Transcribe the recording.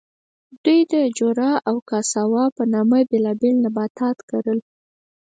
دوی د جورا او کاساوا په نامه بېلابېل نباتات کرل.